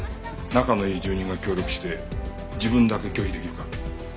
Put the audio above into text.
仲のいい住人が協力して自分だけ拒否出来るか？